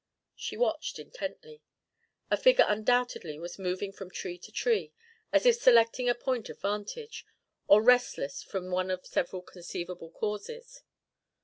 She watched intently. A figure undoubtedly was moving from tree to tree, as if selecting a point of vantage, or restless from one of several conceivable causes.